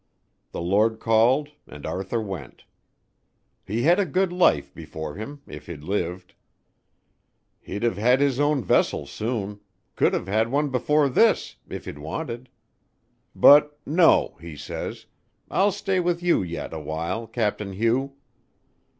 The Lord called and Arthur went. He had a good life before him if he'd lived. He'd 've had his own vessel soon could've had one before this if he'd wanted. But 'No,' he says, 'I'll stay with you yet a while, Captain Hugh.'